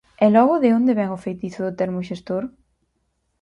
E logo de onde ven o feitizo do termo xestor?